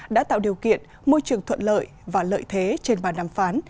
đã tạo điều kiện môi trường thuận lợi và lợi thế trên bàn đàm phán